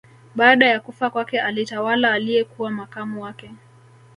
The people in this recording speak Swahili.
Baada ya kufa kwake alitawala aliyekuwa makamu wake